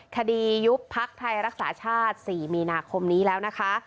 ยุบพักไทยรักษาชาติ๔มีนาคมนี้แล้วนะคะ